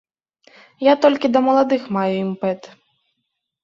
Я толькі да маладых маю імпэт.